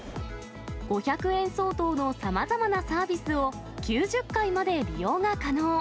５００円相当のさまざまなサービスを、９０回まで利用が可能。